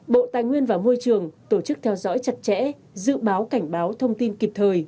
bộ tài nguyên và môi trường tổ chức theo dõi chặt chẽ dự báo cảnh báo thông tin kịp thời